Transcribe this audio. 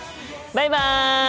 バイバイ！